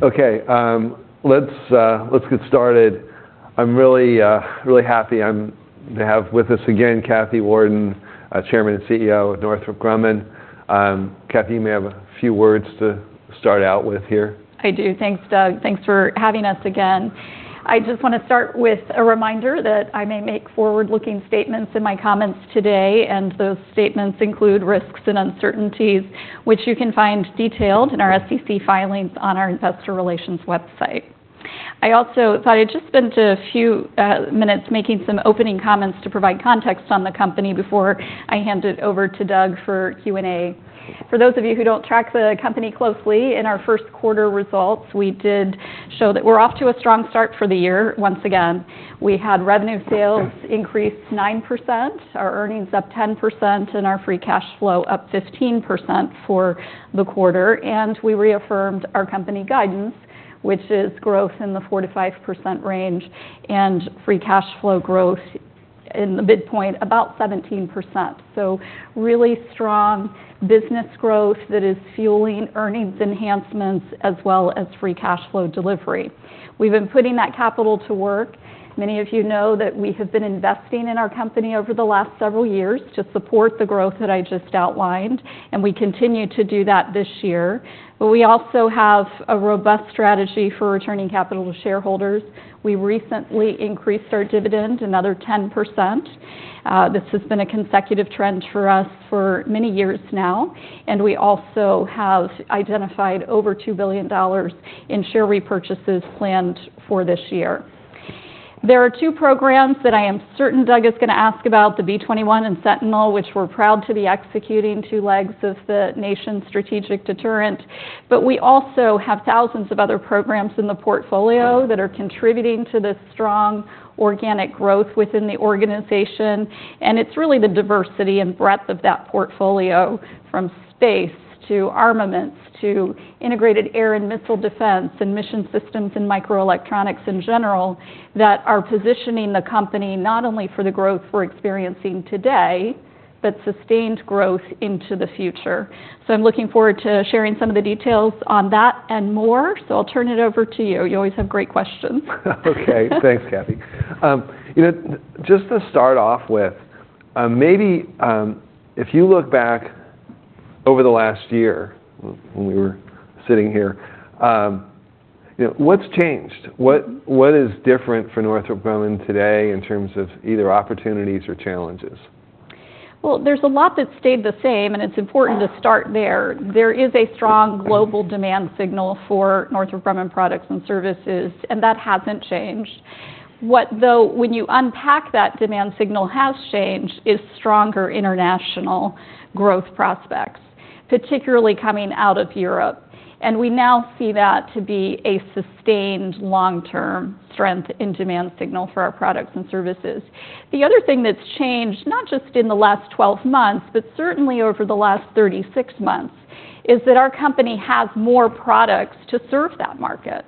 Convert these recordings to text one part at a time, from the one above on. Okay, let's get started. I'm really happy to have with us again, Kathy Warden, Chairman and CEO of Northrop Grumman. Kathy, you may have a few words to start out with here. I do. Thanks, Doug. Thanks for having us again. I just wanna start with a reminder that I may make forward-looking statements in my comments today, and those statements include risks and uncertainties, which you can find detailed in our SEC filings on our investor relations website. I also thought I'd just spend a few minutes making some opening comments to provide context on the company before I hand it over to Doug for Q&A. For those of you who don't track the company closely, in our first quarter results, we did show that we're off to a strong start for the year once again. We had revenue sales increase 9%, our earnings up 10%, free cash flow up 15% for the quarter. We reaffirmed our company guidance, which is growth in the 4%-5% free cash flow growth in the midpoint, about 17%. So really strong business growth that is fueling earnings enhancements as free cash flow delivery. we've been putting that capital to work. Many of you know that we have been investing in our company over the last several years to support the growth that I just outlined, and we continue to do that this year. But we also have a robust strategy for returning capital to shareholders. We recently increased our dividend another 10%. This has been a consecutive trend for us for many years now, and we also have identified over $2 billion in share repurchases planned for this year. There are two programs that I am certain Doug is gonna ask about, the B-21 and Sentinel, which we're proud to be executing two legs of the nation's strategic deterrent. But we also have thousands of other programs in the portfolio that are contributing to the strong organic growth within the organization, and it's really the diversity and breadth of that portfolio, from space, to armaments, to integrated air and missile defense, and mission systems, and microelectronics in general, that are positioning the company not only for the growth we're experiencing today, but sustained growth into the future. So I'm looking forward to sharing some of the details on that and more, so I'll turn it over to you. You always have great questions. Okay, thanks, Kathy. You know, just to start off with, maybe, if you look back over the last year, when we were sitting here, you know, what's changed? What, what is different for Northrop Grumman today in terms of either opportunities or challenges? Well, there's a lot that's stayed the same, and it's important to start there. There is a strong global demand signal for Northrop Grumman products and services, and that hasn't changed. What, though, when you unpack that demand signal has changed, is stronger international growth prospects, particularly coming out of Europe. And we now see that to be a sustained long-term strength in demand signal for our products and services. The other thing that's changed, not just in the last 12 months, but certainly over the last 36 months, is that our company has more products to serve that market.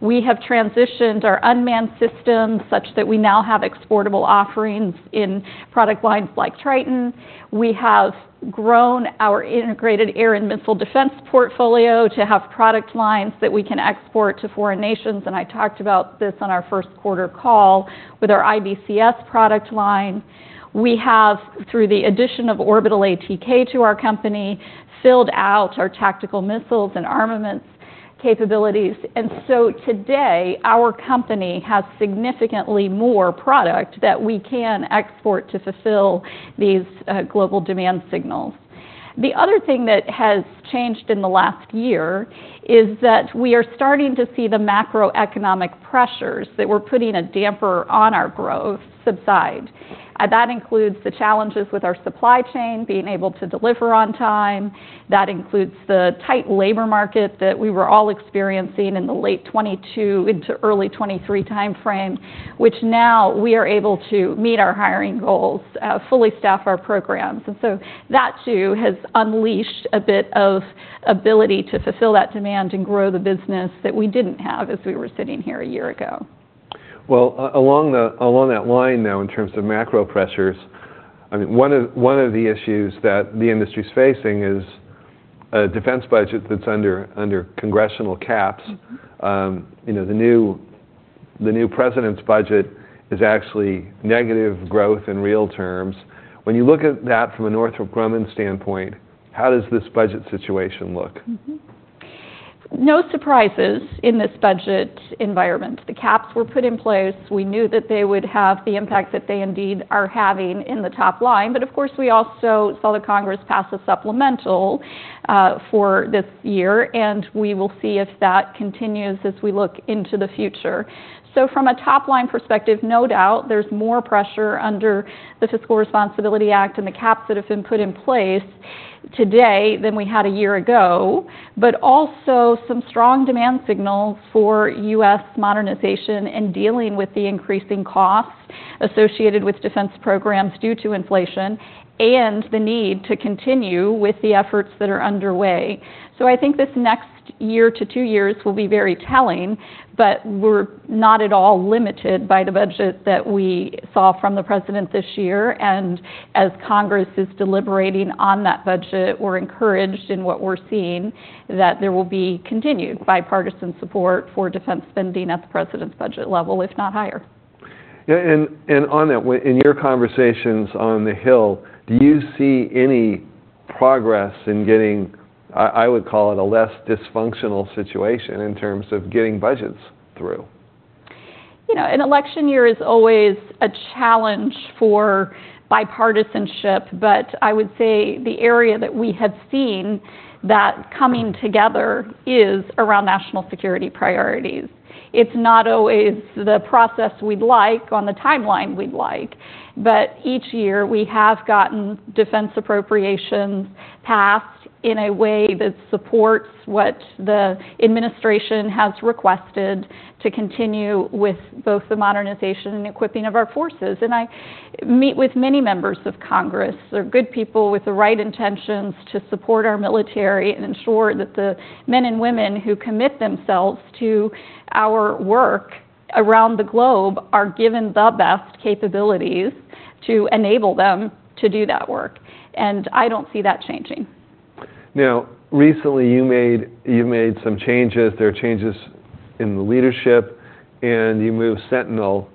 We have transitioned our unmanned systems such that we now have exportable offerings in product lines like Triton. We have grown our integrated air and missile defense portfolio to have product lines that we can export to foreign nations, and I talked about this on our first quarter call with our IBCS product line. We have, through the addition of Orbital ATK to our company, filled out our tactical missiles and armaments capabilities. And so today, our company has significantly more product that we can export to fulfill these global demand signals. The other thing that has changed in the last year is that we are starting to see the macroeconomic pressures that were putting a damper on our growth subside. That includes the challenges with our supply chain, being able to deliver on time. That includes the tight labor market that we were all experiencing in the late 2022 into early 2023 timeframe, which now we are able to meet our hiring goals, fully staff our programs. And so that, too, has unleashed a bit of ability to fulfill that demand and grow the business that we didn't have as we were sitting here a year ago. Well, along that line, now, in terms of macro pressures, I mean, one of the issues that the industry is facing is a defense budget that's under congressional caps. Mm-hmm. You know, the new President's budget is actually negative growth in real terms. When you look at that from a Northrop Grumman standpoint, how does this budget situation look? Mm-hmm. No surprises in this budget environment. The caps were put in place. We knew that they would have the impact that they indeed are having in the top line. But of course, we also saw the Congress pass a supplemental for this year, and we will see if that continues as we look into the future. So from a top-line perspective, no doubt, there's more pressure under the Fiscal Responsibility Act and the caps that have been put in place today than we had a year ago. But also some strong demand signals for U.S. modernization and dealing with the increasing costs associated with defense programs due to inflation, and the need to continue with the efforts that are underway. I think this next year to two years will be very telling, but we're not at all limited by the budget that we saw from the President this year. As Congress is deliberating on that budget, we're encouraged in what we're seeing, that there will be continued bipartisan support for defense spending at the President's budget level, if not higher.... Yeah, and on that, when in your conversations on the Hill, do you see any progress in getting, I would call it, a less dysfunctional situation in terms of getting budgets through? You know, an election year is always a challenge for bipartisanship, but I would say the area that we have seen that coming together is around national security priorities. It's not always the process we'd like on the timeline we'd like, but each year, we have gotten defense appropriations passed in a way that supports what the administration has requested to continue with both the modernization and equipping of our forces. And I meet with many members of Congress. They're good people with the right intentions to support our military and ensure that the men and women who commit themselves to our work around the globe are given the best capabilities to enable them to do that work, and I don't see that changing. Now, recently, you made some changes. There are changes in the leadership, and you moved Sentinel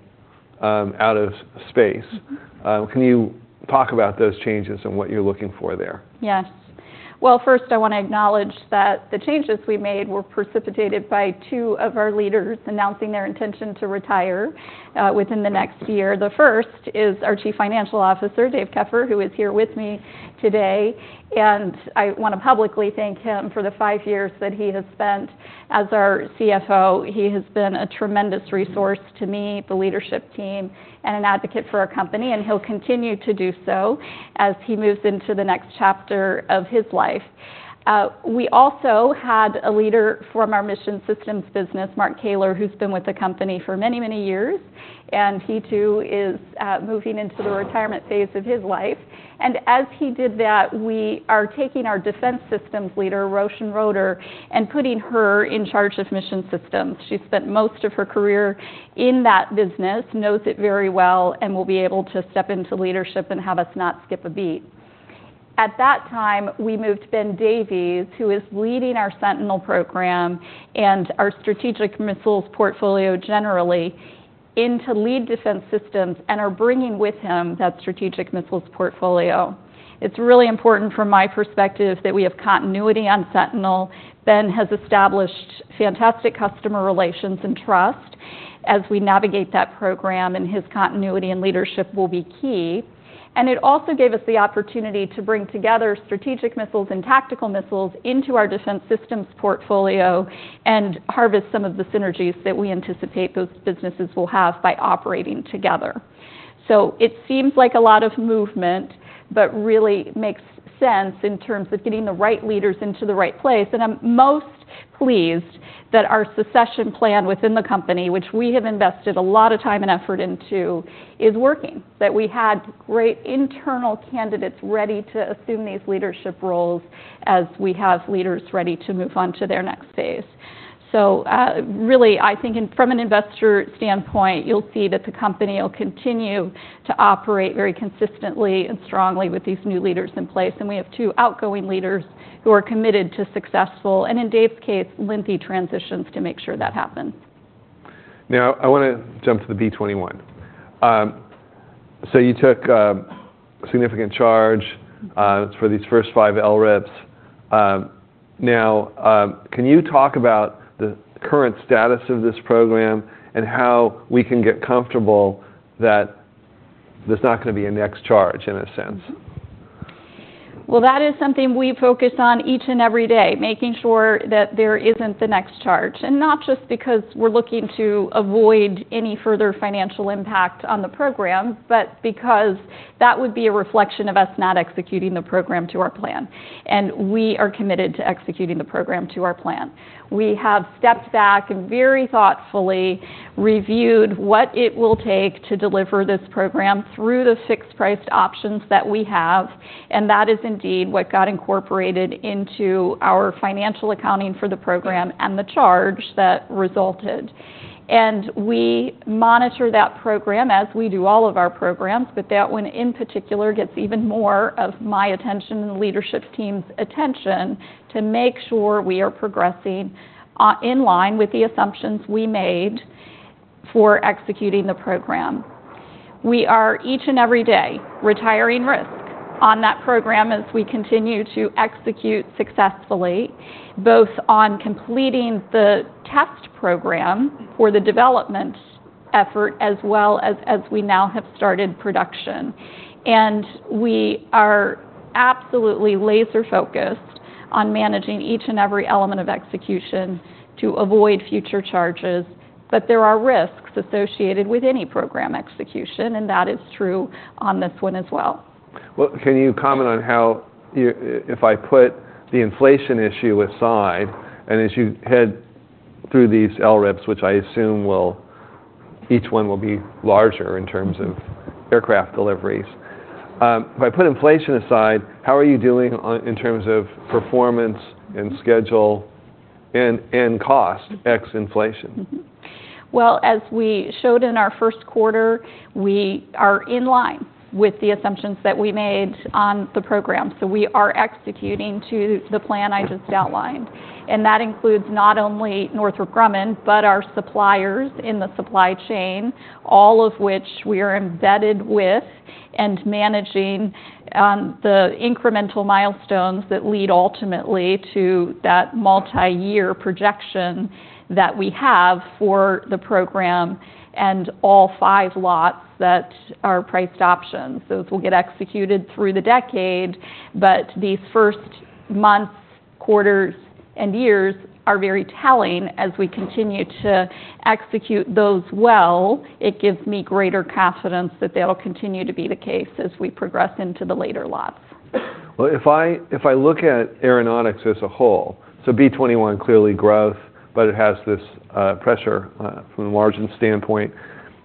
out of space. Mm-hmm. Can you talk about those changes and what you're looking for there? Yes. Well, first, I wanna acknowledge that the changes we made were precipitated by two of our leaders announcing their intention to retire within the next year. The first is our Chief Financial Officer, Dave Keffer, who is here with me today, and I wanna publicly thank him for the five years that he has spent as our CFO. He has been a tremendous resource to me, the leadership team, and an advocate for our company, and he'll continue to do so as he moves into the next chapter of his life. We also had a leader from our Mission Systems business, Mark Caylor, who's been with the company for many, many years, and he too is moving into the retirement phase of his life. And as he did that, we are taking our Defense Systems leader, Roshan Roeder, and putting her in charge of Mission Systems. She spent most of her career in that business, knows it very well, and will be able to step into leadership and have us not skip a beat. At that time, we moved Ben Davies, who is leading our Sentinel program and our strategic missiles portfolio generally, into lead Defense Systems and are bringing with him that strategic missiles portfolio. It's really important from my perspective that we have continuity on Sentinel. Ben has established fantastic customer relations and trust as we navigate that program, and his continuity and leadership will be key. It also gave us the opportunity to bring together strategic missiles and tactical missiles into our Defense Systems portfolio and harvest some of the synergies that we anticipate those businesses will have by operating together. So it seems like a lot of movement, but really makes sense in terms of getting the right leaders into the right place, and I'm most pleased that our succession plan within the company, which we have invested a lot of time and effort into, is working. That we had great internal candidates ready to assume these leadership roles as we have leaders ready to move on to their next phase. So, really, I think in from an investor standpoint, you'll see that the company will continue to operate very consistently and strongly with these new leaders in place, and we have two outgoing leaders who are committed to successful, and in Dave's case, lengthy transitions to make sure that happens. Now, I wanna jump to the B-21. So you took significant charge for these first five LRIPs. Now, can you talk about the current status of this program and how we can get comfortable that there's not gonna be a next charge, in a sense? Well, that is something we focus on each and every day, making sure that there isn't the next charge, and not just because we're looking to avoid any further financial impact on the program, but because that would be a reflection of us not executing the program to our plan, and we are committed to executing the program to our plan. We have stepped back and very thoughtfully reviewed what it will take to deliver this program through the fixed-price options that we have, and that is indeed what got incorporated into our financial accounting for the program and the charge that resulted. We monitor that program as we do all of our programs, but that one, in particular, gets even more of my attention and the leadership team's attention to make sure we are progressing in line with the assumptions we made for executing the program. We are, each and every day, retiring risk on that program as we continue to execute successfully, both on completing the test program or the development effort, as well as, as we now have started production. We are absolutely laser-focused on managing each and every element of execution to avoid future charges, but there are risks associated with any program execution, and that is true on this one as well. Well, can you comment on how if I put the inflation issue aside, and as you head through these LRIPs, which I assume will each one will be larger in terms of aircraft deliveries. If I put inflation aside, how are you doing on, in terms of performance and schedule and, and cost, ex inflation? Mm-hmm. Well, as we showed in our first quarter, we are in line with the assumptions that we made on the program, so we are executing to the plan I just outlined. And that includes not only Northrop Grumman, but our suppliers in the supply chain, all of which we are embedded with and managing, the incremental milestones that lead ultimately to that multi-year projection that we have for the program and all five lots that are priced options. Those will get executed through the decade, but these first months, quarters, and years are very telling as we continue to execute those well. It gives me greater confidence that that'll continue to be the case as we progress into the later lots. Well, if I look at Aeronautics as a whole, so B-21, clearly growth, but it has this pressure from a margin standpoint.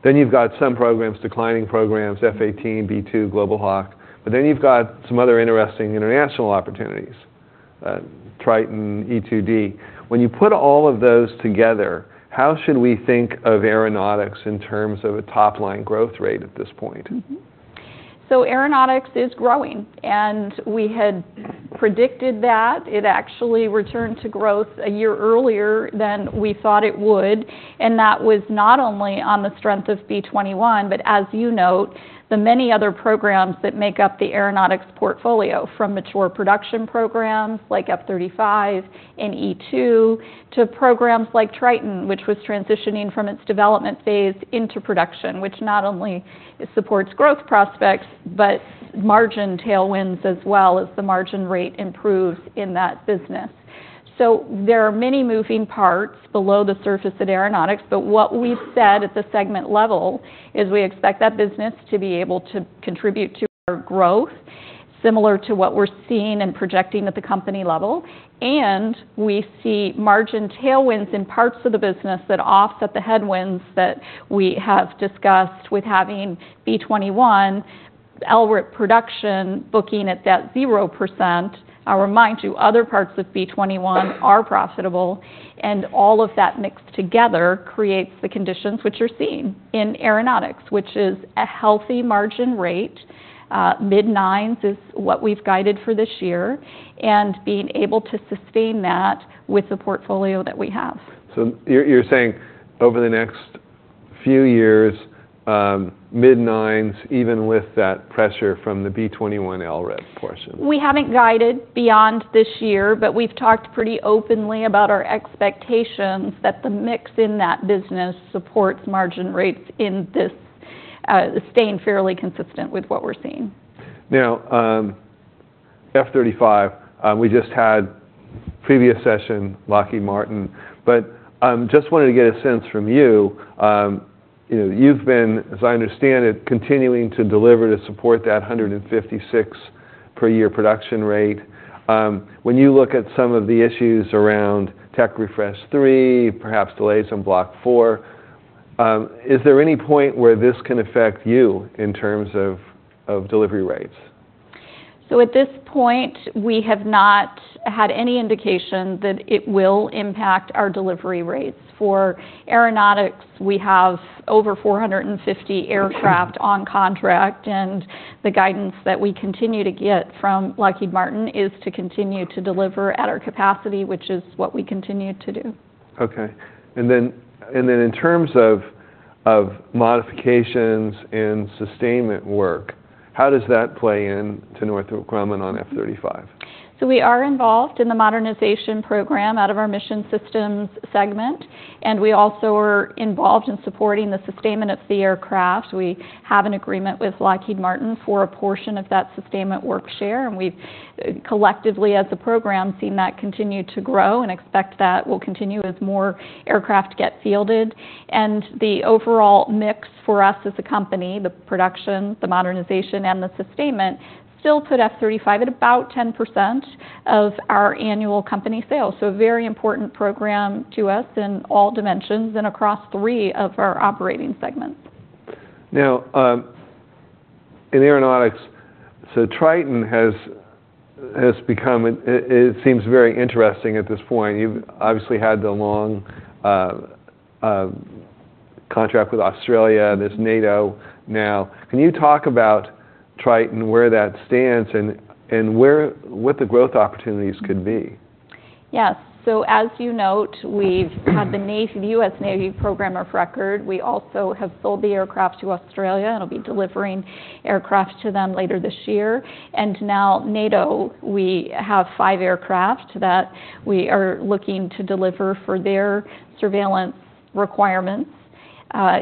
Then you've got some programs, declining programs, F/A-18, B-2, Global Hawk, but then you've got some other interesting international opportunities, Triton, E-2D. When you put all of those together, how should we think of Aeronautics in terms of a top-line growth rate at this point? Mm-hmm. So Aeronautics is growing, and we had predicted that. It actually returned to growth a year earlier than we thought it would, and that was not only on the strength of B-21, but as you note, the many other programs that make up the Aeronautics portfolio, from mature production programs like F-35 and E-2, to programs like Triton, which was transitioning from its development phase into production, which not only supports growth prospects, but margin tailwinds as well, as the margin rate improves in that business. So there are many moving parts below the surface at Aeronautics, but what we've said at the segment level is we expect that business to be able to contribute to our growth, similar to what we're seeing and projecting at the company level. We see margin tailwinds in parts of the business that offset the headwinds that we have discussed with having B-21, LRIP production, booking at that 0%. I'll remind you, other parts of B-21 are profitable, and all of that mixed together creates the conditions which you're seeing in Aeronautics, which is a healthy margin rate. Mid-nines% is what we've guided for this year, and being able to sustain that with the portfolio that we have. So you're, you're saying over the next few years, mid-nines, even with that pressure from the B-21 LRIP portion? We haven't guided beyond this year, but we've talked pretty openly about our expectations that the mix in that business supports margin rates in this, staying fairly consistent with what we're seeing. Now, F-35, we just had previous session, Lockheed Martin, but, just wanted to get a sense from you. You know, you've been, as I understand it, continuing to deliver to support that 156 per year production rate. When you look at some of the issues around Tech Refresh 3, perhaps delays on Block 4, is there any point where this can affect you in terms of, of delivery rates? At this point, we have not had any indication that it will impact our delivery rates. For Aeronautics, we have over 450 aircraft on contract, and the guidance that we continue to get from Lockheed Martin is to continue to deliver at our capacity, which is what we continue to do. Okay. And then in terms of modifications and sustainment work, how does that play into Northrop Grumman on F-35? So we are involved in the modernization program out of our mission systems segment, and we also are involved in supporting the sustainment of the aircraft. We have an agreement with Lockheed Martin for a portion of that sustainment work share, and we've collectively, as a program, seen that continue to grow and expect that will continue as more aircraft get fielded. The overall mix for us as a company, the production, the modernization, and the sustainment, still put F-35 at about 10% of our annual company sales. A very important program to us in all dimensions and across three of our operating segments. Now, in Aeronautics, so Triton has become. It seems very interesting at this point. You've obviously had the long contract with Australia, there's NATO now. Can you talk about Triton, where that stands and where what the growth opportunities could be? Yes. So as you note, we've had the U.S. Navy program of record. We also have sold the aircraft to Australia, and will be delivering aircraft to them later this year. And now NATO, we have 5 aircraft that we are looking to deliver for their surveillance requirements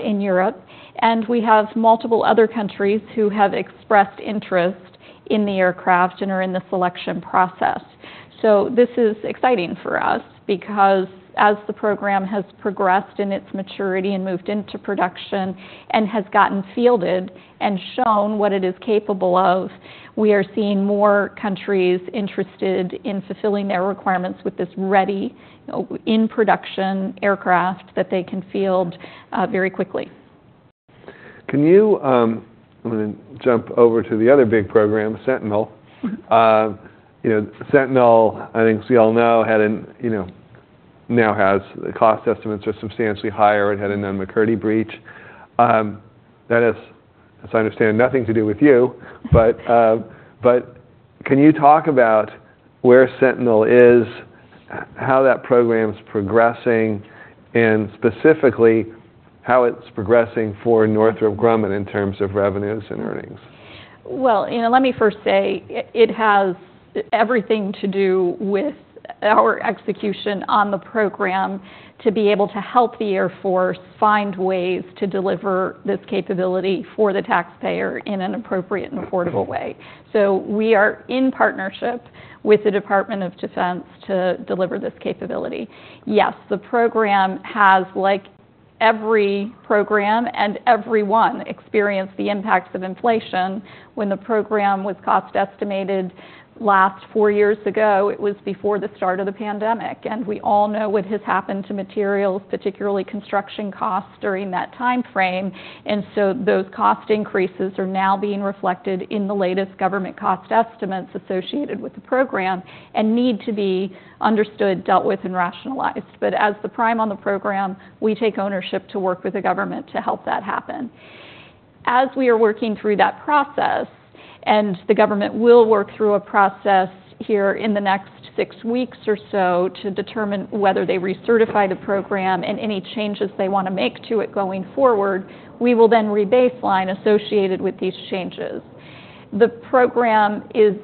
in Europe. And we have multiple other countries who have expressed interest in the aircraft and are in the selection process. So this is exciting for us because as the program has progressed in its maturity and moved into production and has gotten fielded and shown what it is capable of, we are seeing more countries interested in fulfilling their requirements with this ready in production aircraft that they can field very quickly. Can you, I'm gonna jump over to the other big program, Sentinel. You know, Sentinel, I think as we all know, had an, now has the cost estimates are substantially higher. It had a McCurdy breach. That has, as I understand, nothing to do with you. But, but can you talk about where Sentinel is? How that program's progressing, and specifically, how it's progressing for Northrop Grumman in terms of revenues and earnings? Well, you know, let me first say, it has everything to do with our execution on the program to be able to help the Air Force find ways to deliver this capability for the taxpayer in an appropriate and affordable way. So we are in partnership with the Department of Defense to deliver this capability. Yes, the program has, like every program and everyone, experienced the impacts of inflation. When the program was cost estimated last four years ago, it was before the start of the pandemic, and we all know what has happened to materials, particularly construction costs, during that timeframe. And so those cost increases are now being reflected in the latest government cost estimates associated with the program and need to be understood, dealt with, and rationalized. But as the prime on the program, we take ownership to work with the government to help that happen. As we are working through that process, and the government will work through a process here in the next six weeks or so to determine whether they recertify the program and any changes they wanna make to it going forward, we will then rebaseline associated with these changes. The program is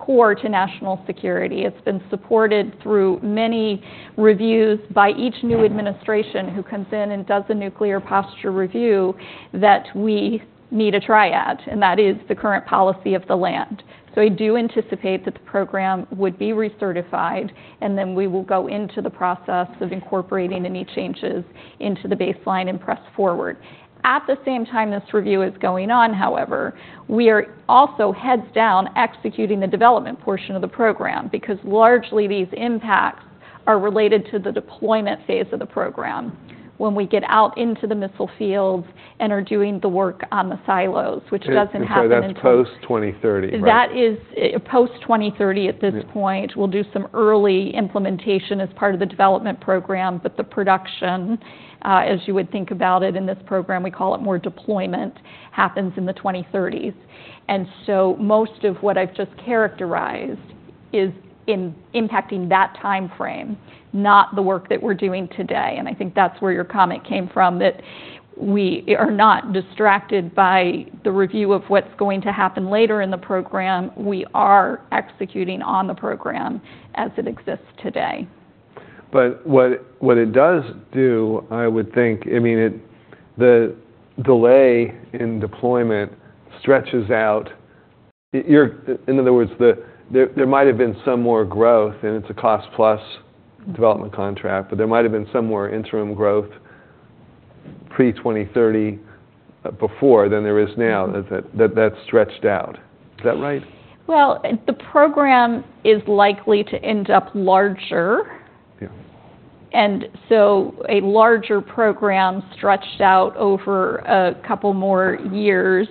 core to national security. It's been supported through many reviews by each new administration who comes in and does a Nuclear Posture Review, that we need a Triad, and that is the current policy of the land. So I do anticipate that the program would be recertified, and then we will go into the process of incorporating any changes into the baseline and press forward. At the same time, this review is going on, however, we are also heads down, executing the development portion of the program, because largely, these impacts are related to the deployment phase of the program when we get out into the missile fields and are doing the work on the silos, which doesn't happen until- That's post-2030, right? That is, post-2030 at this point. Yeah. We'll do some early implementation as part of the development program, but the production, as you would think about it in this program, we call it more deployment, happens in the 2030s. And so most of what I've just characterized is in impacting that timeframe, not the work that we're doing today, and I think that's where your comment came from, that we are not distracted by the review of what's going to happen later in the program. We are executing on the program as it exists today. But what it does do, I would think. I mean, it, the delay in deployment stretches out... In other words, there might have been some more growth, and it's a cost-plus development contract, but there might have been some more interim growth pre-2030, before than there is now. Mm-hmm. that, that's stretched out. Is that right? Well, the program is likely to end up larger. Yeah. A larger program stretched out over a couple more years,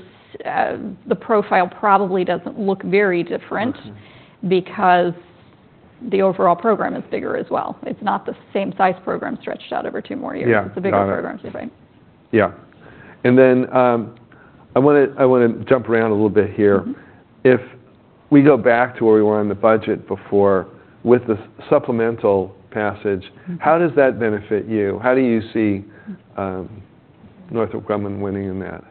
the profile probably doesn't look very different. Mm-hmm. because the overall program is bigger as well. It's not the same size program stretched out over two more years. Yeah. Got it. It's a bigger program. Right. Yeah. And then, I wanna jump around a little bit here. Mm-hmm. If we go back to where we were on the budget before, with the supplemental passage- Mm-hmm. - How does that benefit you? How do you see Northrop Grumman winning in that?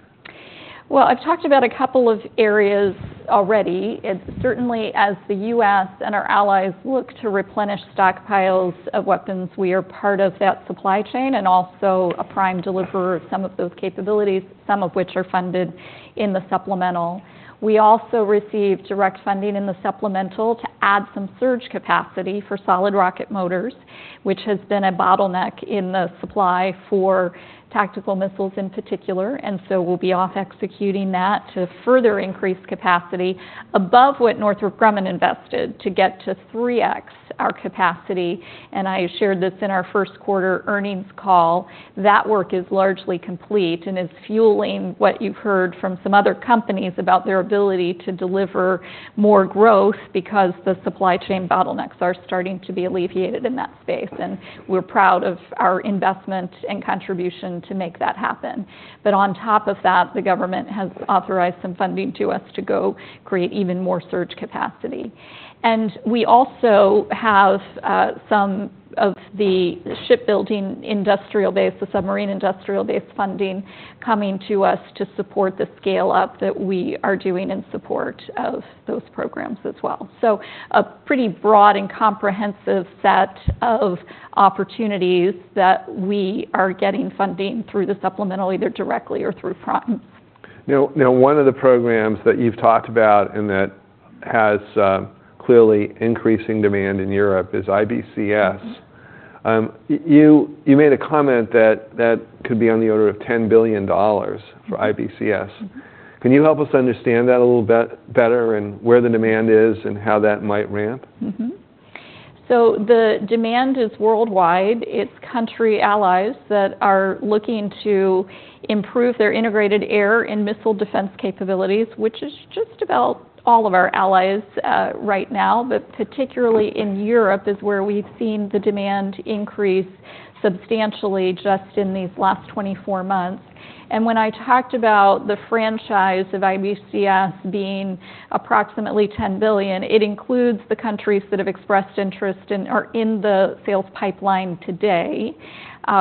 Well, I've talked about a couple of areas already. And certainly, as the U.S. and our allies look to replenish stockpiles of weapons, we are part of that supply chain and also a prime deliverer of some of those capabilities, some of which are funded in the supplemental. We also received direct funding in the supplemental to add some surge capacity for solid rocket motors, which has been a bottleneck in the supply for tactical missiles, in particular, and so we'll be off executing that to further increase capacity above what Northrop Grumman invested to get to 3x our capacity, and I shared this in our first quarter earnings call. That work is largely complete and is fueling what you've heard from some other companies about their ability to deliver more growth because the supply chain bottlenecks are starting to be alleviated in that space, and we're proud of our investment and contribution to make that happen. But on top of that, the government has authorized some funding to us to go create even more surge capacity. We also have some of the shipbuilding industrial base, the submarine industrial base funding coming to us to support the scale-up that we are doing in support of those programs as well. So a pretty broad and comprehensive set of opportunities that we are getting funding through the Supplemental, either directly or through prime. Now, one of the programs that you've talked about and that has clearly increasing demand in Europe is IBCS. Mm-hmm. You made a comment that that could be on the order of $10 billion- Mm. - for IBCS. Mm-hmm. Can you help us understand that a little better, and where the demand is, and how that might ramp? Mm-hmm. So the demand is worldwide. It's country allies that are looking to improve their integrated air and missile defense capabilities, which is just about all of our allies, right now, but particularly in Europe, is where we've seen the demand increase substantially just in these last 24 months. And when I talked about the franchise of IBCS being approximately $10 billion, it includes the countries that have expressed interest in, or in the sales pipeline today,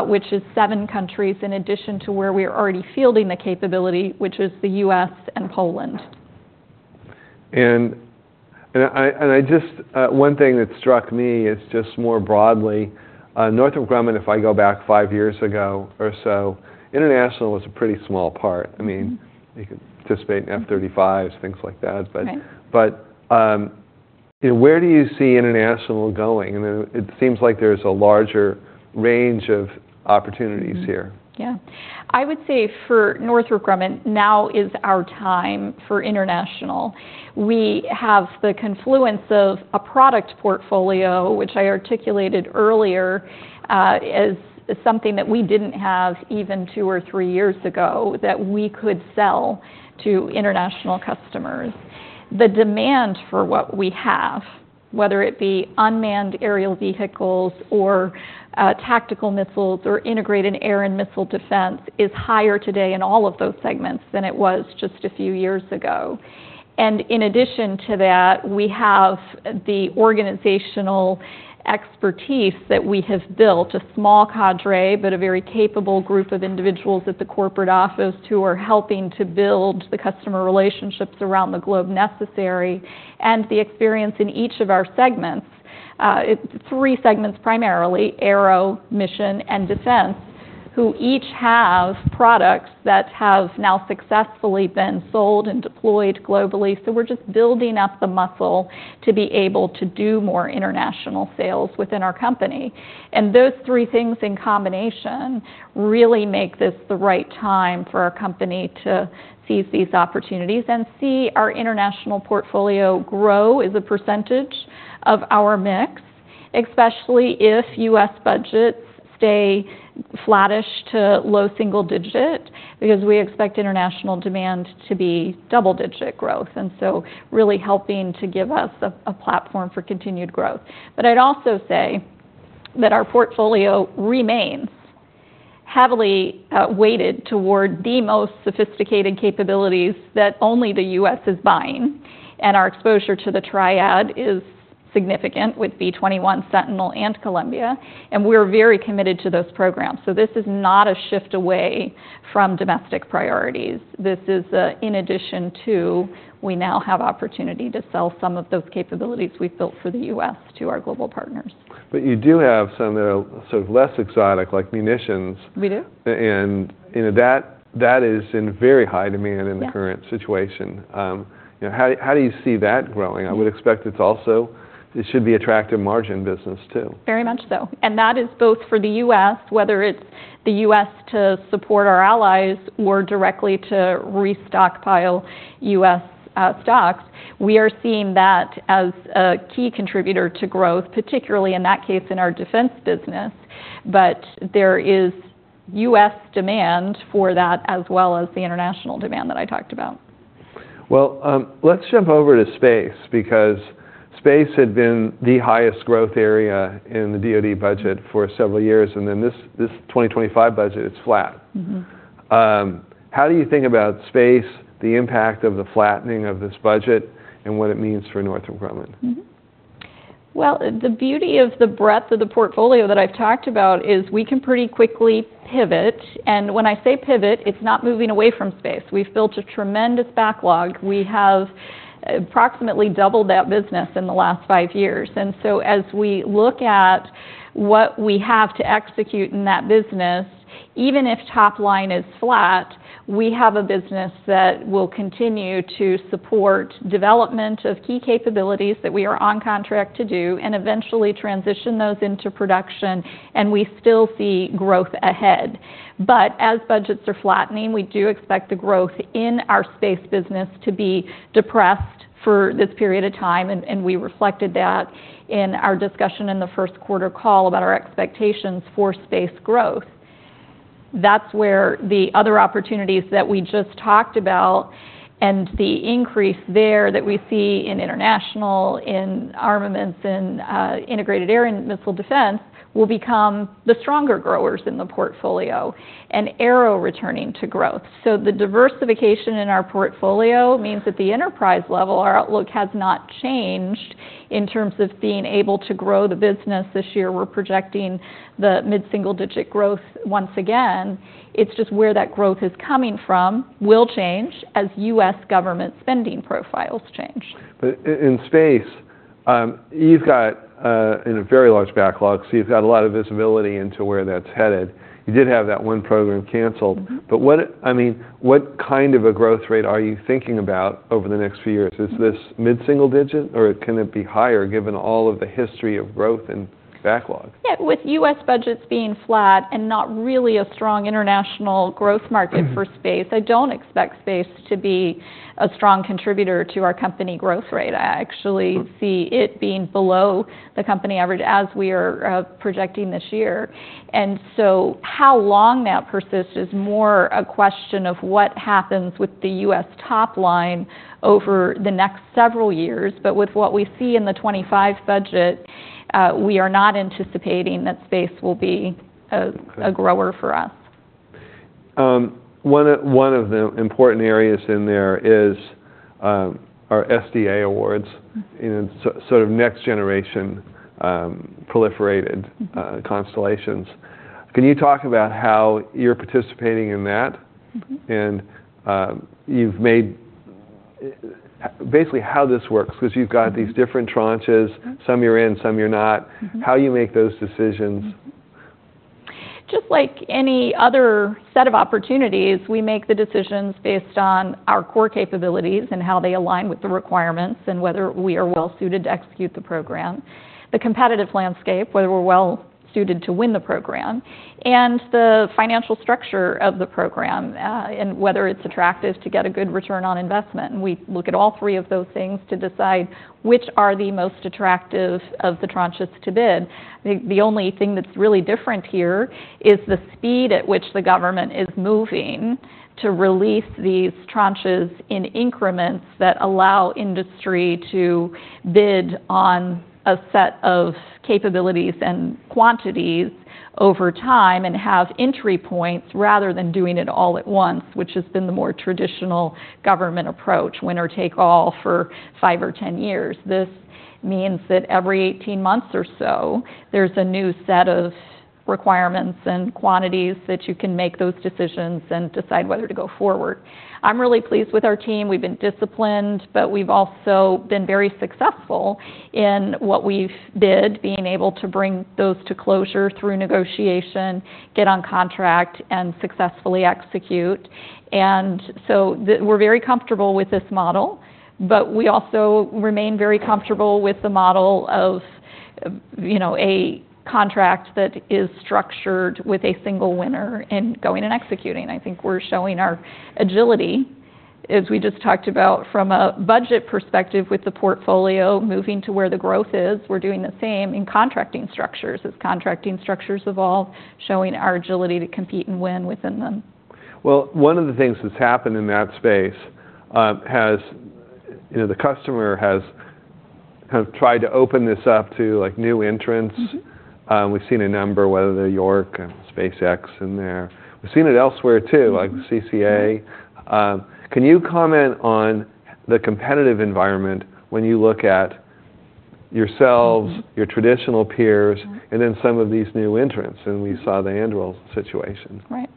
which is 7 countries, in addition to where we are already fielding the capability, which is the U.S. and Poland. One thing that struck me is just more broadly, Northrop Grumman. If I go back five years ago or so, international was a pretty small part. Mm-hmm. I mean, you could participate in F-35s, things like that. Right. Where do you see international going? I mean, it seems like there's a larger range of opportunities here. Mm-hmm. Yeah. I would say for Northrop Grumman, now is our time for international. We have the confluence of a product portfolio, which I articulated earlier, as, as something that we didn't have even two or three years ago, that we could sell to international customers. The demand for what we have, whether it be unmanned aerial vehicles or, tactical missiles or integrated air and missile defense, is higher today in all of those segments than it was just a few years ago. And in addition to that, we have the organizational expertise that we have built, a small cadre, but a very capable group of individuals at the corporate office who are helping to build the customer relationships around the globe necessary, and the experience in each of our segments. It's three segments, primarily, Aero, Mission, and Defense, who each have products that have now successfully been sold and deployed globally. So we're just building up the muscle to be able to do more international sales within our company. And those three things in combination, really make this the right time for our company to seize these opportunities and see our international portfolio grow as a percentage of our mix, especially if U.S. budgets stay flattish to low single-digit, because we expect international demand to be double-digit growth, and so really helping to give us a, a platform for continued growth. But I'd also say that our portfolio remains heavily weighted toward the most sophisticated capabilities that only the U.S. is buying, and our exposure to the triad is significant with B-21 Sentinel and Columbia, and we're very committed to those programs. So this is not a shift away from domestic priorities. This is in addition to, we now have opportunity to sell some of those capabilities we've built for the U.S. to our global partners. You do have some, sort of less exotic, like munitions. We do. And that is in very high demand. Yeah - in the current situation. You know, how do you see that growing? Yeah. I would expect it's also... It should be attractive margin business, too. Very much so. That is both for the U.S., whether it's the U.S. to support our allies or directly to restockpile U.S. stocks. We are seeing that as a key contributor to growth, particularly in that case, in our defense business. There is U.S. demand for that, as well as the international demand that I talked about. Well, let's jump over to space, because space had been the highest growth area in the DOD budget for several years, and then this 2025 budget, it's flat. Mm-hmm. How do you think about space, the impact of the flattening of this budget, and what it means for Northrop Grumman? Mm-hmm. Well, the beauty of the breadth of the portfolio that I've talked about is we can pretty quickly pivot, and when I say pivot, it's not moving away from space. We've built a tremendous backlog. We have approximately doubled that business in the last five years. So as we look at what we have to execute in that business, even if top line is flat, we have a business that will continue to support development of key capabilities that we are on contract to do, and eventually transition those into production, and we still see growth ahead. But as budgets are flattening, we do expect the growth in our space business to be depressed for this period of time, and we reflected that in our discussion in the first quarter call about our expectations for space growth. That's where the other opportunities that we just talked about and the increase there that we see in international, in armaments, in integrated air and missile defense, will become the stronger growers in the portfolio, and Aero returning to growth. So the diversification in our portfolio means that the enterprise level, our outlook, has not changed in terms of being able to grow the business. This year, we're projecting the mid-single-digit growth once again. It's just where that growth is coming from, will change as U.S. government spending profiles change. But in space, you've got a very large backlog, so you've got a lot of visibility into where that's headed. You did have that one program canceled. Mm-hmm. I mean, what kind of a growth rate are you thinking about over the next few years? Mm. Is this mid-single digit, or can it be higher, given all of the history of growth and backlog? Yeah, with U.S. budgets being flat and not really a strong international growth market- Mm For space, I don't expect space to be a strong contributor to our company growth rate. I actually- Mm see it being below the company average as we are projecting this year. And so how long that persists is more a question of what happens with the U.S. top line over the next several years. But with what we see in the 2025 budget, we are not anticipating that space will be a grower for us.... One of the important areas in there is our SDA awards, mm-hmm, in sort of next generation proliferated constellations. Can you talk about how you're participating in that? Mm-hmm. And, you've made basically how this works, 'cause you've got- Mm-hmm... these different tranches. Mm-hmm. Some you're in, some you're not. Mm-hmm. How you make those decisions? Mm-hmm. Just like any other set of opportunities, we make the decisions based on our core capabilities and how they align with the requirements, and whether we are well suited to execute the program. The competitive landscape, whether we're well suited to win the program, and the financial structure of the program, and whether it's attractive to get a good return on investment. And we look at all three of those things to decide which are the most attractive of the tranches to bid. I think the only thing that's really different here is the speed at which the government is moving to release these tranches in increments that allow industry to bid on a set of capabilities and quantities over time, and have entry points, rather than doing it all at once, which has been the more traditional government approach, winner take all for five or ten years. This means that every eighteen months or so, there's a new set of requirements and quantities that you can make those decisions and decide whether to go forward. I'm really pleased with our team. We've been disciplined, but we've also been very successful in what we've bid, being able to bring those to closure through negotiation, get on contract, and successfully execute. And so we're very comfortable with this model, but we also remain very comfortable with the model of, you know, a contract that is structured with a single winner, and going and executing. I think we're showing our agility, as we just talked about, from a budget perspective with the portfolio, moving to where the growth is. We're doing the same in contracting structures, as contracting structures evolve, showing our agility to compete and win within them. Well, one of the things that's happened in that space, you know, the customer has tried to open this up to, like, new entrants. Mm-hmm. We've seen a number, whether they're York and SpaceX in there. We've seen it elsewhere, too- Mm-hmm... like CCA. Can you comment on the competitive environment when you look at yourselves- Mm-hmm... your traditional peers- Mm-hmm... and then some of these new entrants? Mm-hmm. We saw the Anduril situation. Right.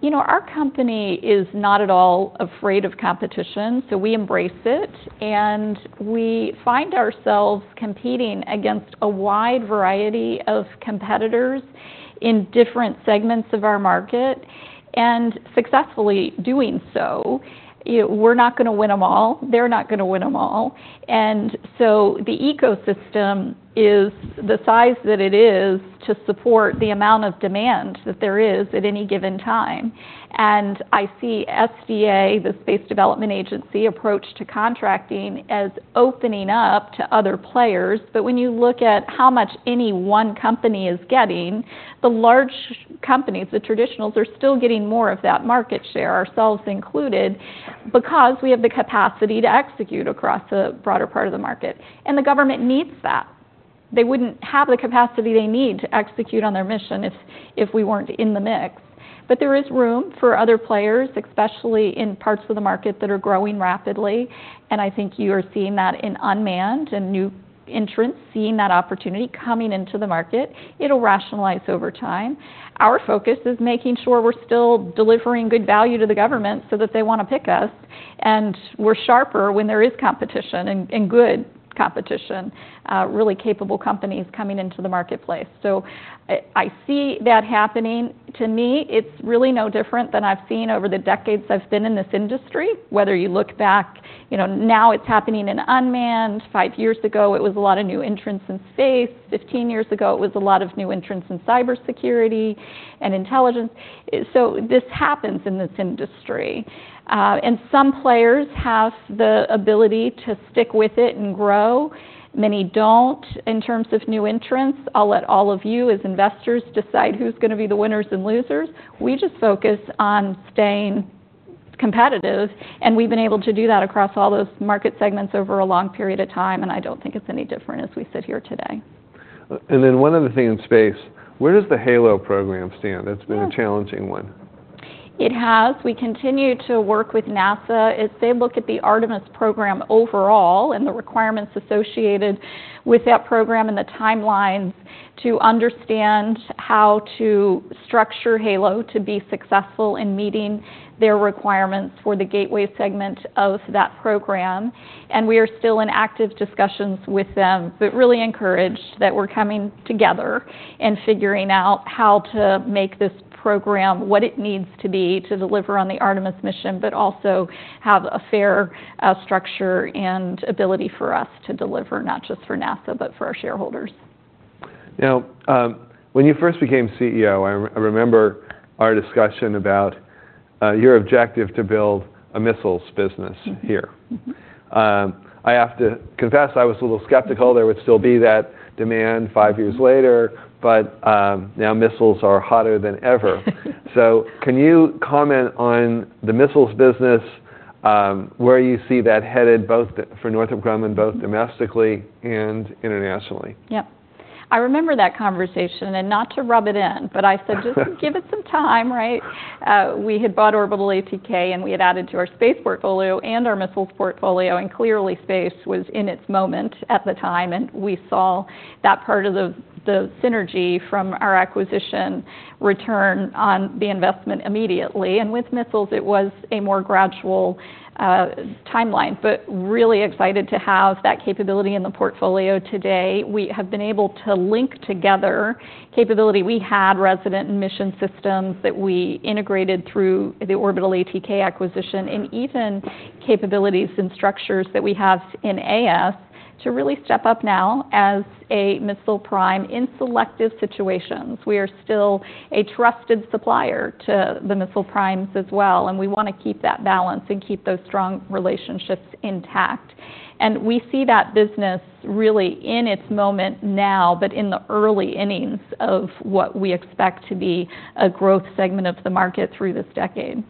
You know, our company is not at all afraid of competition, so we embrace it. We find ourselves competing against a wide variety of competitors in different segments of our market, and successfully doing so. We're not gonna win them all. They're not gonna win them all. So the ecosystem is the size that it is to support the amount of demand that there is at any given time. I see SDA, the Space Development Agency, approach to contracting as opening up to other players. But when you look at how much any one company is getting, the large companies, the traditionals, are still getting more of that market share, ourselves included, because we have the capacity to execute across a broader part of the market, and the government needs that. They wouldn't have the capacity they need to execute on their mission if we weren't in the mix. But there is room for other players, especially in parts of the market that are growing rapidly, and I think you are seeing that in unmanned and new entrants, seeing that opportunity coming into the market. It'll rationalize over time. Our focus is making sure we're still delivering good value to the government so that they want to pick us, and we're sharper when there is competition and good competition, really capable companies coming into the marketplace. So I see that happening. To me, it's really no different than I've seen over the decades I've been in this industry, whether you look back... You know, now it's happening in unmanned. Five years ago, it was a lot of new entrants in space. 15 years ago, it was a lot of new entrants in cybersecurity and intelligence. This happens in this industry, and some players have the ability to stick with it and grow. Many don't. In terms of new entrants, I'll let all of you, as investors, decide who's gonna be the winners and losers. We just focus on staying competitive, and we've been able to do that across all those market segments over a long period of time, and I don't think it's any different as we sit here today. And then one other thing in space: Where does the HALO program stand? Mm. That's been a challenging one. It has. We continue to work with NASA as they look at the Artemis program overall, and the requirements associated with that program and the timelines, to understand how to structure HALO to be successful in meeting their requirements for the Gateway segment of that program. We are still in active discussions with them, but really encouraged that we're coming together and figuring out how to make this program what it needs to be to deliver on the Artemis mission, but also have a fair structure and ability for us to deliver, not just for NASA, but for our shareholders. Now, when you first became CEO, I remember our discussion about your objective to build a missiles business- Mm... here. I have to confess, I was a little skeptical there would still be that demand five years later- Mm-hmm... but, now missiles are hotter than ever. So can you comment on the missiles business?... where you see that headed, both for Northrop Grumman, both domestically and internationally? Yep. I remember that conversation, and not to rub it in, but I said, "Just give it some time," right? We had bought Orbital ATK, and we had added to our space portfolio and our missiles portfolio, and clearly, space was in its moment at the time, and we saw that part of the synergy from our acquisition return on the investment immediately. And with missiles, it was a more gradual timeline, but really excited to have that capability in the portfolio today. We have been able to link together capability we had, resident Mission Systems that we integrated through the Orbital ATK acquisition, and even capabilities and structures that we have in AF to really step up now as a missile prime in selective situations. We are still a trusted supplier to the missile primes as well, and we wanna keep that balance and keep those strong relationships intact. We see that business really in its moment now, but in the early innings of what we expect to be a growth segment of the market through this decade.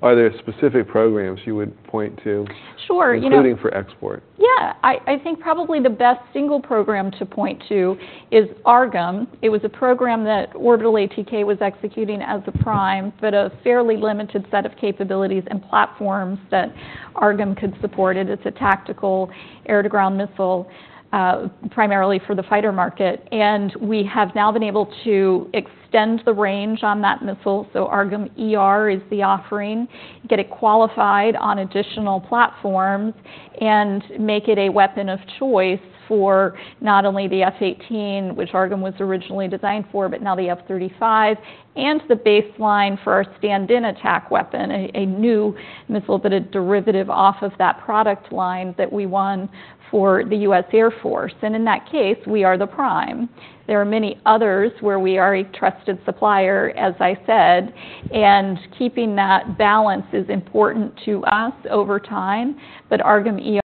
Are there specific programs you would point to? Sure, you know- Including for export. Yeah. I, I think probably the best single program to point to is AARGM. It was a program that Orbital ATK was executing as a prime, but a fairly limited set of capabilities and platforms that AARGM could support it. It's a tactical air-to-ground missile, primarily for the fighter market, and we have now been able to extend the range on that missile, so AARGM-ER is the offering, get it qualified on additional platforms, and make it a weapon of choice for not only the F-18, which AARGM was originally designed for, but now the F-35, and the baseline for our Stand-in Attack Weapon, a new missile, but a derivative off of that product line that we won for the U.S. Air Force. And in that case, we are the prime. There are many others where we are a trusted supplier, as I said, and keeping that balance is important to us over time. But AARGM-ER is an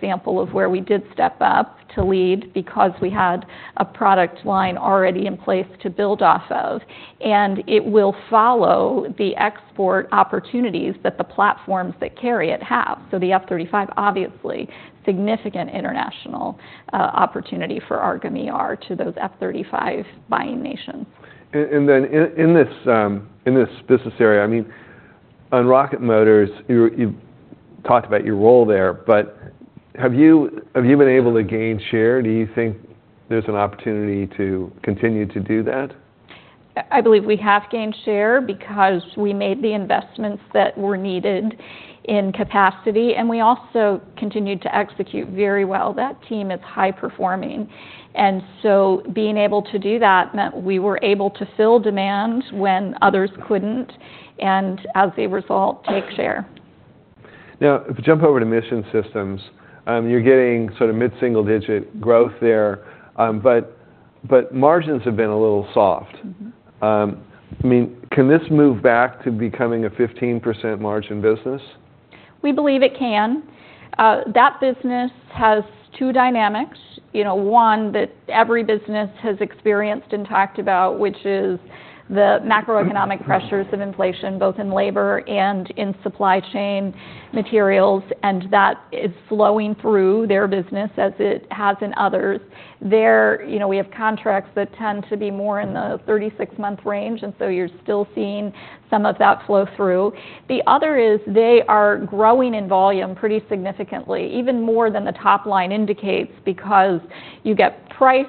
example of where we did step up to lead because we had a product line already in place to build off of, and it will follow the export opportunities that the platforms that carry it have. So the F-35, obviously, significant international opportunity for AARGM-ER to those F-35 buying nations. And then, in this business area, I mean, on rocket motors, you, you've talked about your role there, but have you, have you been able to gain share? Do you think there's an opportunity to continue to do that? I believe we have gained share because we made the investments that were needed in capacity, and we also continued to execute very well. That team is high performing, and so being able to do that meant we were able to fill demand when others couldn't, and as a result, take share. Now, if we jump over to Mission Systems, you're getting sort of mid-single-digit growth there, but margins have been a little soft. Mm-hmm. I mean, can this move back to becoming a 15% margin business? We believe it can. That business has two dynamics. You know, one, that every business has experienced and talked about, which is the macroeconomic pressures of inflation, both in labor and in supply chain materials, and that is flowing through their business as it has in others. There, you know, we have contracts that tend to be more in the 36-month range, and so you're still seeing some of that flow through. The other is they are growing in volume pretty significantly, even more than the top line indicates, because you get price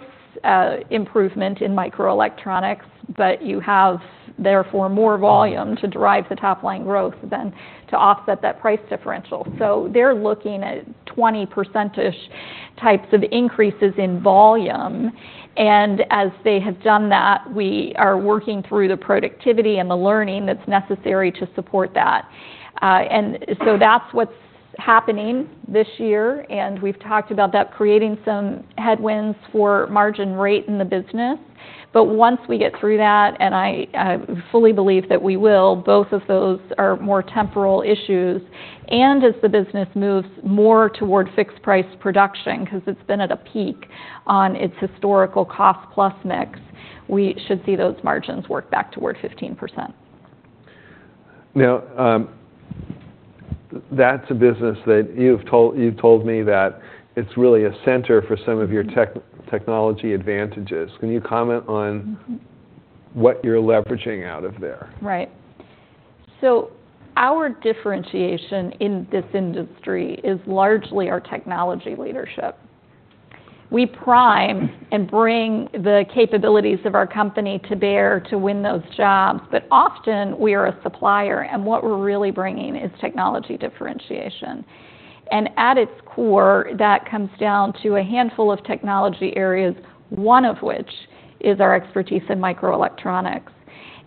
improvement in microelectronics, but you have, therefore, more volume to drive the top-line growth than to offset that price differential. So they're looking at 20% types of increases in volume, and as they have done that, we are working through the productivity and the learning that's necessary to support that. and so that's what's happening this year, and we've talked about that creating some headwinds for margin rate in the business. But once we get through that, and I, I fully believe that we will, both of those are more temporal issues, and as the business moves more toward fixed price production, 'cause it's been at a peak on its historical cost plus mix, we should see those margins work back toward 15%. Now, that's a business that you told me that it's really a center for some of your technology advantages. Can you comment on- Mm-hmm... what you're leveraging out of there? Right. So our differentiation in this industry is largely our technology leadership. We prime and bring the capabilities of our company to bear to win those jobs, but often we are a supplier, and what we're really bringing is technology differentiation. And at its core, that comes down to a handful of technology areas, one of which is our expertise in microelectronics.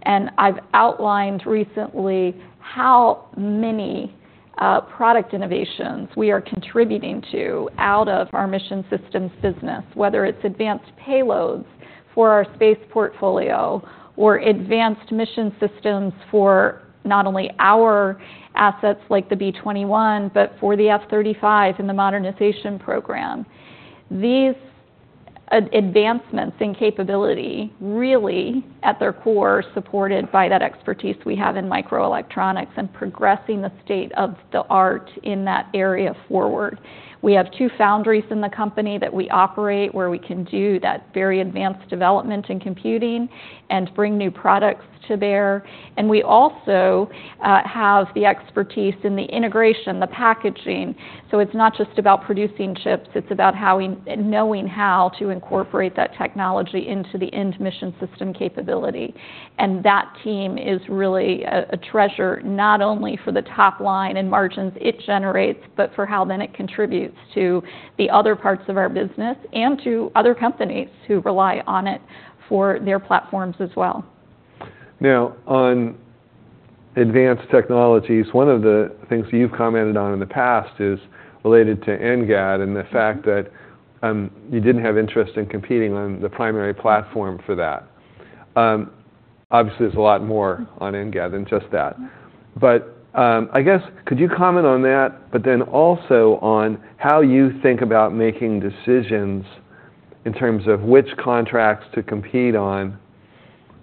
And I've outlined recently how many product innovations we are contributing to out of our mission systems business, whether it's advanced payloads for our space portfolio or advanced mission systems for not only our assets like the B-21, but for the F-35 in the modernization program. These advancements in capability, really, at their core, supported by that expertise we have in microelectronics and progressing the state of the art in that area forward. We have two foundries in the company that we operate, where we can do that very advanced development in computing and bring new products to bear. We also have the expertise in the integration, the packaging. So it's not just about producing chips, it's about how knowing how to incorporate that technology into the end mission system capability. That team is really a treasure, not only for the top line and margins it generates, but for how then it contributes to the other parts of our business and to other companies who rely on it for their platforms as well. Now, on advanced technologies, one of the things you've commented on in the past is related to NGAD and the fact that, you didn't have interest in competing on the primary platform for that. Obviously, there's a lot more on NGAD than just that. But, I guess, could you comment on that, but then also on how you think about making decisions in terms of which contracts to compete on,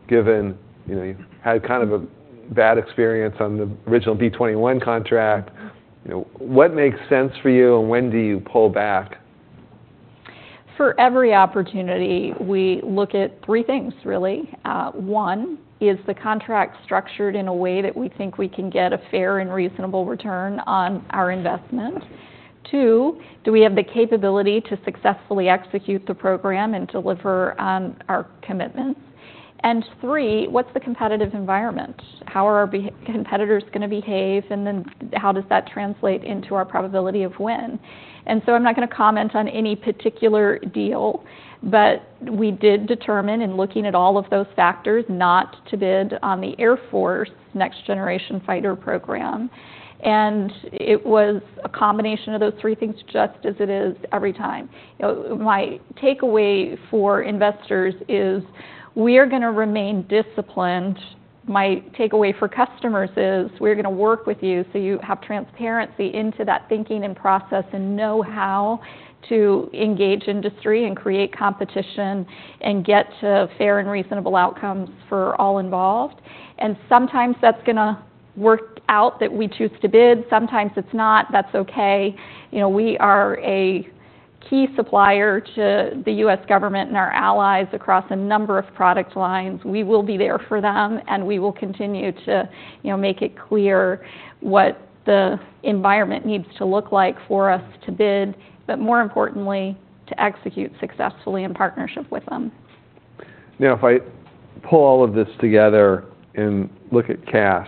given, you know, you've had kind of a bad experience on the original B-21 contract? You know, what makes sense for you, and when do you pull back? For every opportunity, we look at three things, really. One, is the contract structured in a way that we think we can get a fair and reasonable return on our investment? Two, do we have the capability to successfully execute the program and deliver on our commitments? And three, what's the competitive environment? How are our competitors gonna behave, and then how does that translate into our probability of win? And so I'm not gonna comment on any particular deal, but we did determine, in looking at all of those factors, not to bid on the Air Force next generation fighter program. And it was a combination of those three things, just as it is every time. You know, my takeaway for investors is, we are gonna remain disciplined. My takeaway for customers is, we're gonna work with you so you have transparency into that thinking and process, and know how to engage industry and create competition, and get to fair and reasonable outcomes for all involved. And sometimes that's gonna work out that we choose to bid, sometimes it's not. That's okay. You know, we are a key supplier to the U.S. government and our allies across a number of product lines. We will be there for them, and we will continue to, you know, make it clear what the environment needs to look like for us to bid, but more importantly, to execute successfully in partnership with them. Now, if I pull all of this together and look at cash,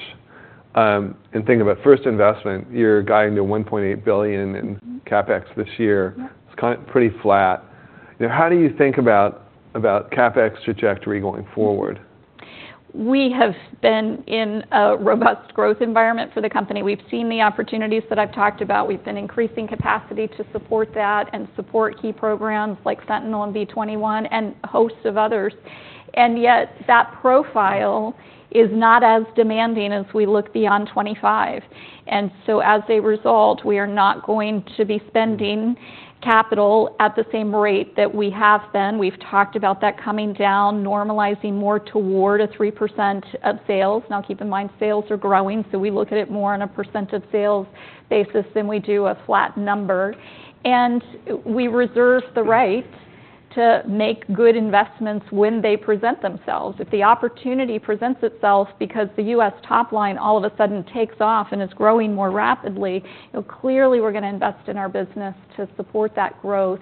and think about first investment, you're guiding to $1.8 billion in- Mm-hmm. CapEx this year. Yeah. It's kind of pretty flat. Now, how do you think about CapEx trajectory going forward? We have been in a robust growth environment for the company. We've seen the opportunities that I've talked about. We've been increasing capacity to support that and support key programs like Sentinel and B-21, and a host of others. Yet, that profile is not as demanding as we look beyond 2025. So, as a result, we are not going to be spending capital at the same rate that we have been. We've talked about that coming down, normalizing more toward a 3% of sales. Now, keep in mind, sales are growing, so we look at it more on a percent of sales basis than we do a flat number. We reserve the right to make good investments when they present themselves. If the opportunity presents itself because the U.S. top line all of a sudden takes off and is growing more rapidly, you know, clearly we're gonna invest in our business to support that growth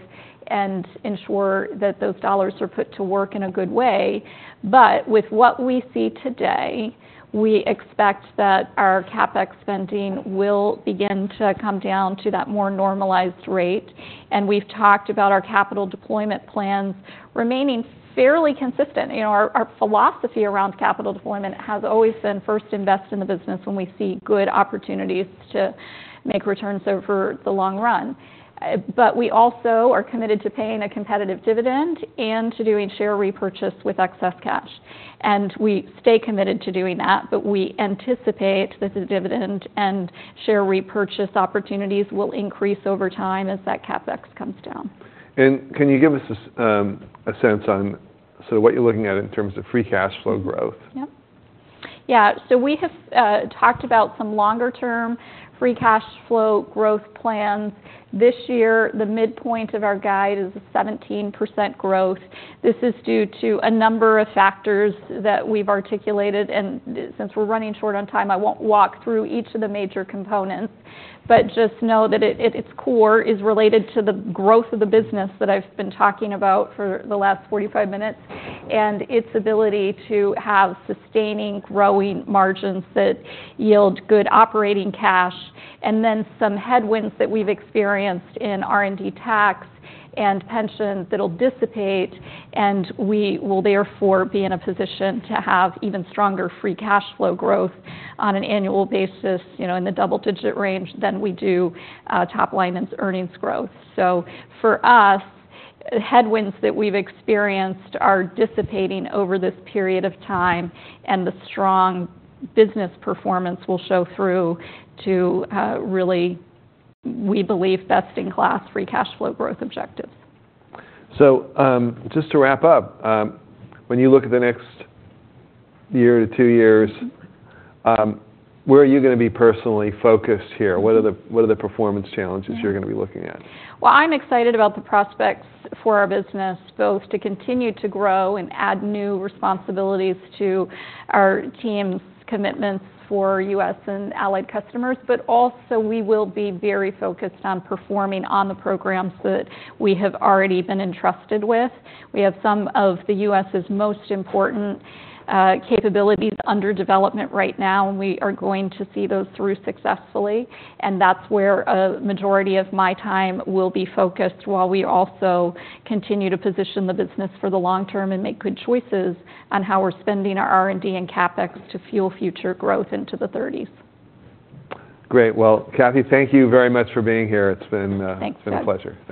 and ensure that those dollars are put to work in a good way. But with what we see today, we expect that our CapEx spending will begin to come down to that more normalized rate, and we've talked about our capital deployment plans remaining fairly consistent. You know, our philosophy around capital deployment has always been, first, invest in the business when we see good opportunities to make returns over the long run. But we also are committed to paying a competitive dividend and to doing share repurchase with excess cash, and we stay committed to doing that. We anticipate that the dividend and share repurchase opportunities will increase over time as that CapEx comes down. Can you give us a sense on, so what you're looking at in of free cash flow growth? Yep. Yeah, so we have talked about some free cash flow growth plans. This year, the midpoint of our guide is a 17% growth. This is due to a number of factors that we've articulated, and since we're running short on time, I won't walk through each of the major components. But just know that at its core is related to the growth of the business that I've been talking about for the last 45 minutes, and its ability to have sustaining, growing margins that yield good operating cash. And then some headwinds that we've experienced in R&D tax and pensions that'll dissipate, and we will therefore be in a position to have free cash flow growth on an annual basis, you know, in the double-digit range, than we do top line and earnings growth. So for us, headwinds that we've experienced are dissipating over this period of time, and the strong business performance will show through to, really, we believe free cash flow growth objectives. Just to wrap up, when you look at the next year to two years- Mm-hmm. - where are you gonna be personally focused here? Mm-hmm. What are the performance challenges- Yeah... you're gonna be looking at? Well, I'm excited about the prospects for our business, both to continue to grow and add new responsibilities to our team's commitments for U.S. and allied customers, but also, we will be very focused on performing on the programs that we have already been entrusted with. We have some of the U.S.'s most important capabilities under development right now, and we are going to see those through successfully. And that's where a majority of my time will be focused, while we also continue to position the business for the long term and make good choices on how we're spending our R&D and CapEx to fuel future growth into the thirties. Great. Well, Kathy, thank you very much for being here. It's been, Thanks, Ted... it's been a pleasure.